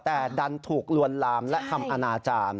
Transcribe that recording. แต่ดันถูกลวนลามและทำอนาจารย์